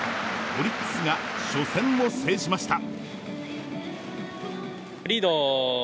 オリックスが初戦を制しました。